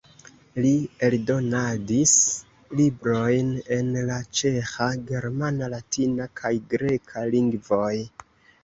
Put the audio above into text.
Li eldonadis librojn en la ĉeĥa, germana, latina kaj greka lingvoj.